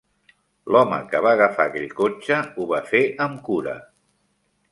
L'home que va agafar aquell cotxe ho va fer amb cura.